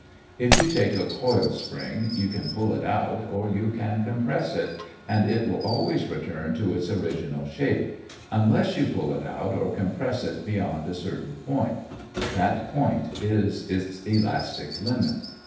If you take a coil spring, you can pull it out or you can compress it, and it will always return to its original shape, unless you pull it out or compress it beyond a certain point; that point is its elastic limit.